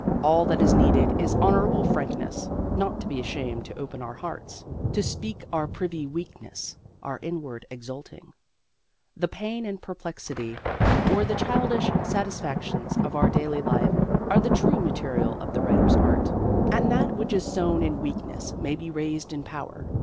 All that is needed is honourable frankness: not to be ashamed to open our hearts, to speak our privy weakness, our inward exulting. Then the pain and perplexity, or the childish satisfactions, of our daily life are the true material of the writer's art, and that which is sown in weakness may be raised in power.